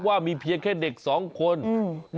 ว่ามีเพียงแค่เด็กสองคนอืม